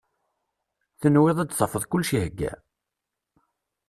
Tenwiḍ ad d-tafeḍ kullec ihegga?